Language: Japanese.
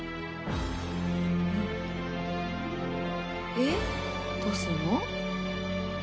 ええ、どうするの？